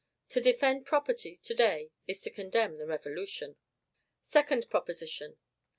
To defend property to day is to condemn the Revolution. SECOND PROPOSITION.